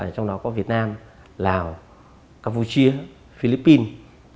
trong đó có việt nam lào campuchia philippines